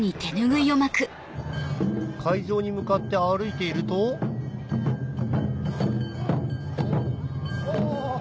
会場に向かって歩いているとあ！